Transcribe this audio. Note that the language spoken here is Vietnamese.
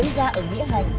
đang diễn ra ở nghĩa hạnh